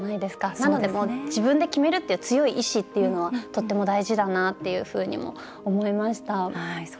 なので自分で決めるっていう強い意志っていうのはとても大事だなっていうふうにも思いました。